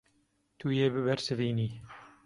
Tu yê bibersivînî.